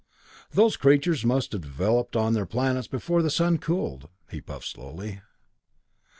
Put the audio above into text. "Those creatures must have developed on their planets before the sun cooled." He puffed slowly.